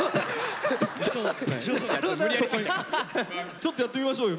ちょっとやってみましょうよ